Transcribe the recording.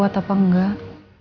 kamu kuat apa enggak